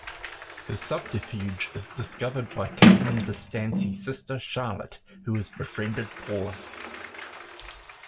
His subterfuge is discovered by Captain De Stancy's sister Charlotte who has befriended Paula.